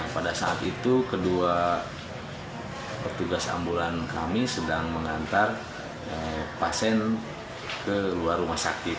pada saat itu kedua petugas ambulan kami sedang mengantar pasien ke luar rumah sakit